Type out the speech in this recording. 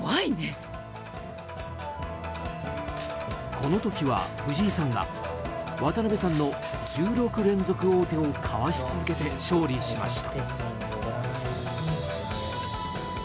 この時は藤井さんが渡辺さんの１６連続王手をかわし続けて勝利しました。